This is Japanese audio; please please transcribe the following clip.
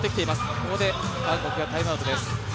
ここで韓国がタイムアウトです。